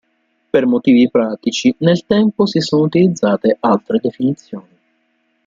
Per motivi pratici, nel tempo si sono utilizzate altre definizioni.